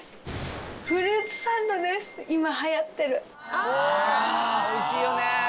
あおいしいよね。